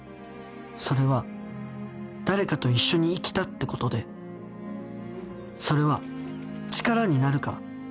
それは誰かと一緒に生きたってことでそれは力になるから。